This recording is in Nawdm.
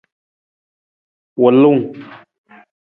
Wulung.